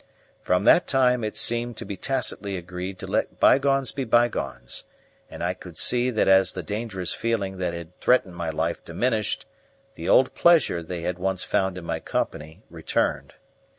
From that time it seemed to be tacitly agreed to let bygones be bygones; and I could see that as the dangerous feeling that had threatened my life diminished, the old pleasure they had once found in my company returned.